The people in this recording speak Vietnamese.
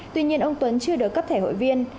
tuy nhiên ông tuấn chưa được cấp thẻ hội viên